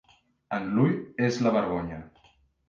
En l'ull és la vergonya.